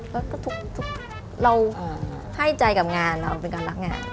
แล้วก็ทุกเราให้ใจกับงานเราเป็นการรักไง